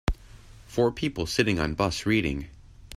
Four people sitting on bus reading.